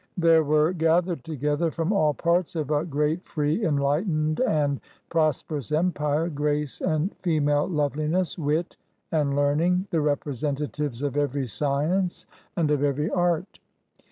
There were gathered together, from all parts of a great, free, enlightened, and prosperous empire, grace and female loveliness, wit and learning, the representatives of every science and of every art.